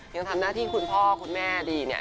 ยังทำหน้าที่คุณพ่อคุณแม่ดีเนี่ย